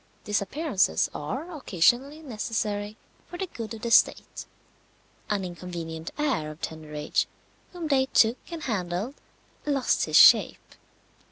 Disappearances are occasionally necessary for the good of the state. An inconvenient heir of tender age whom they took and handled lost his shape.